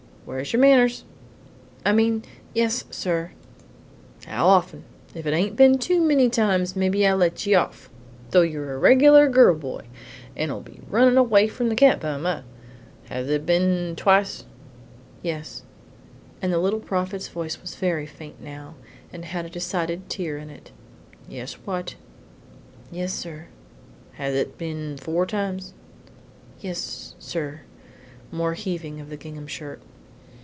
"Where's your manners?" "I mean yes, sir." "How often? If it hain't be'n too many times mebbe I'll let ye off, though you're a reg'lar girl boy, and'll be runnin' away from the cat bimeby. Has it be'n twice?" "Yes," and the Little Prophet's voice was very faint now, and had a decided tear in it. "Yes what?" "Yes, sir." "Has it be'n four times?" "Y es, sir." More heaving of the gingham shirt.